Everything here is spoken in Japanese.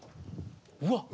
うわっ！